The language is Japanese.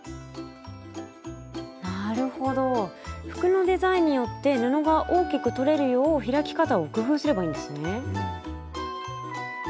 なるほど服のデザインによって布が大きくとれるよう開き方を工夫すればいいんですね。